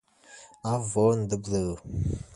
I’ve worn the blue.